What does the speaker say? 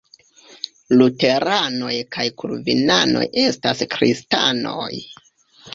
Luteranoj kaj Kalvinanoj estas kristanoj.